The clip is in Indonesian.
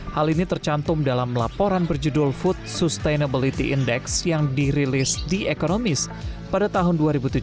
hal ini tercantum dalam laporan berjudul food sustainability index yang dirilis the economist pada tahun dua ribu tujuh belas